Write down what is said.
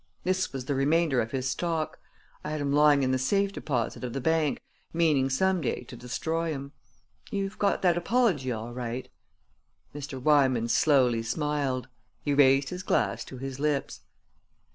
This was the remainder of his stock. I had 'em lying in the safe deposit of the bank, meaning some day to destroy 'em. You've got that apology all right?" Mr. Wymans slowly smiled. He raised his glass to his lips.